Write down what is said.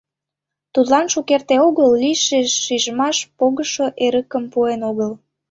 Тудлан шукерте огыл лийше шижмаш погыжо эрыкым пуэн огыл.